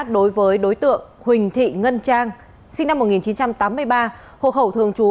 đối với đối tượng huỳnh thị ngân trang sinh năm một nghìn chín trăm tám mươi ba hộ khẩu thường trú